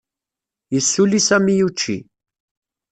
Yessuli Sami učči.